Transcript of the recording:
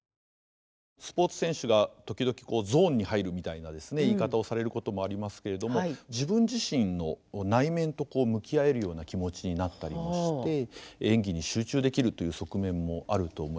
スポーツ選手が時々「ゾーンに入る」みたいなですね言い方をされることもありますけれども自分自身の内面と向き合えるような気持ちになったりもして演技に集中できるという側面もあると思います。